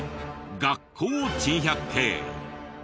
学校珍百景。